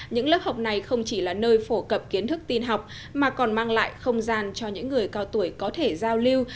những lớp học này không chỉ là nơi phổ cập kiến thức tin học mà còn mang lại không gian cho những người cao tuổi có thể giao lưu